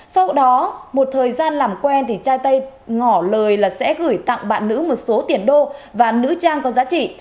sau đó một thời gian làm quen thì trai tây ngỏ lời là sẽ gửi tặng bạn nữ một số tiền đô và nữ trang có giá trị